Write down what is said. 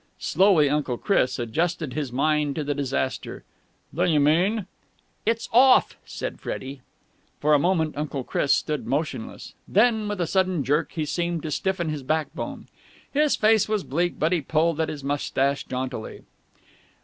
Slowly Uncle Chris adjusted his mind to the disaster. "Then you mean...?" "It's off!" said Freddie. For a moment Uncle Chris stood motionless. Then, with a sudden jerk, he seemed to stiffen his backbone. His face was bleak, but he pulled at his moustache jauntily.